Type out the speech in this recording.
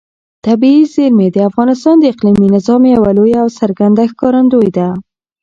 طبیعي زیرمې د افغانستان د اقلیمي نظام یوه لویه او څرګنده ښکارندوی ده.